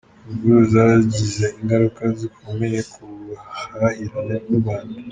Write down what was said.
Imvururu zagize ingaruka zikomeye ku buhahirane n’u Rwanda.